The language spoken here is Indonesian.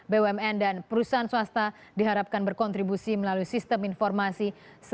bumn dan perusahaan swasta diharapkan berkontribusi melalui sistem informasi